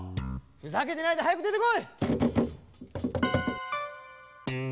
ふざけてないではやくでてこい！